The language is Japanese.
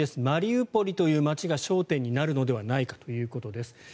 マリウポリという街が焦点になるのではないかということです。